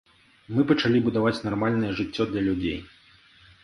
Мы пачалі будаваць нармальнае жыццё для людзей.